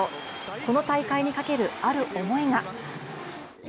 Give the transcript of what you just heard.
この大会にかけるある思いが。